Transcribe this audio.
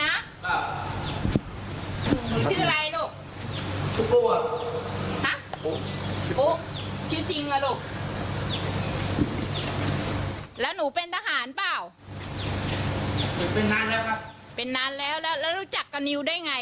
อ่าแล้วนิวมานี่พอรู้ไหมว่าเขามีไง